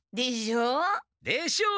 でしょう？